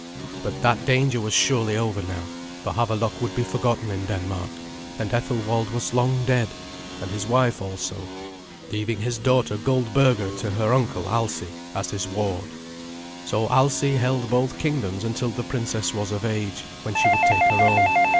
But that danger was surely over now, for Havelok would be forgotten in Denmark; and Ethelwald was long dead, and his wife also, leaving his daughter Goldberga to her uncle Alsi, as his ward. So Alsi held both kingdoms until the princess was of age, when she would take her own.